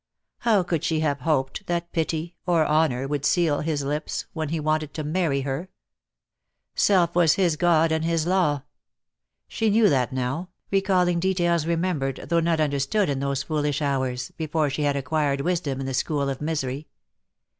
How could she have hoped that pity, or honour, would seal his lips, when he wanted to marry her? Self was his god and his law. She knew that now, recalling details remembered though not under stood in those foolish hours, before she had acquired wisdom in the school of misery.